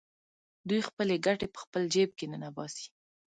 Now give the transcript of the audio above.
دوی خپلې ګټې په خپل جېب کې ننباسي